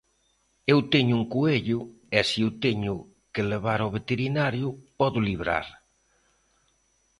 Eu teño un coello e se o teño que levar ao veterinario podo librar.